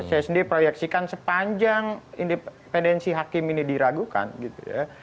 saya sendiri proyeksikan sepanjang independensi hakim ini diragukan gitu ya